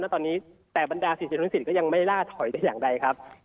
แล้วตอนนี้แต่บรรดา๔๐๔๐ก็ยังไม่ล่าถอยได้อย่างไรครับ